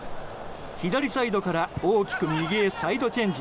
左サイドから大きく右へサイドチェンジ。